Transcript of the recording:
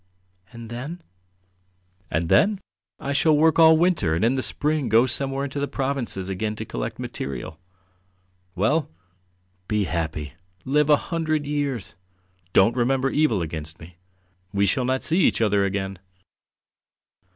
"And then?" "And then? I shall work all the winter and in the spring go somewhere into the provinces again to collect material. Well, be happy, live a hundred years ... don't remember evil against me. We shall not see each other again."